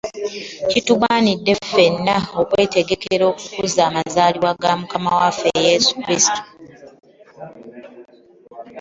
Kitugwaniidde ffena okwetegekera okukuza amazaalibwa ga Mukama waffe Yesu Krisito.